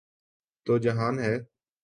تو جہان ہے۔